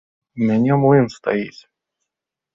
У мяне млын стаіць.